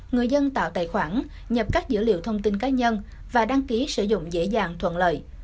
người dân tạo tài khoản nhập các dữ liệu thông tin cá nhân và đăng ký sử dụng dễ dàng thuận lợi